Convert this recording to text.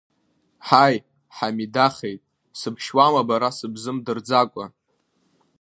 Ҳаи, Ҳамидахеит, сыбшьуама бара сыбзымдырӡакәа?!